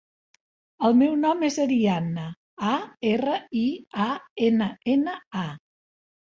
El meu nom és Arianna: a, erra, i, a, ena, ena, a.